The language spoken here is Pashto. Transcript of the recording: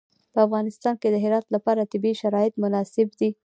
په افغانستان کې د هرات لپاره طبیعي شرایط مناسب دي.